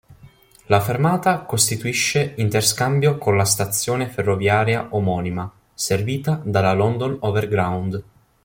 La fermata costituisce interscambio con la stazione ferroviaria omonima, servita dalla London Overground.